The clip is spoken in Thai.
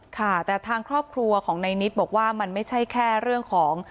ค่ะแต่ทางครอบครัวของในนิดบอกว่ามันไม่ใช่แค่เรื่องของ